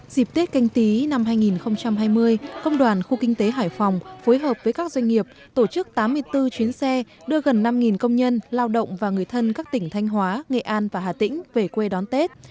dịp tết canh tí năm hai nghìn hai mươi công đoàn khu kinh tế hải phòng phối hợp với các doanh nghiệp tổ chức tám mươi bốn chuyến xe đưa gần năm công nhân lao động và người thân các tỉnh thanh hóa nghệ an và hà tĩnh về quê đón tết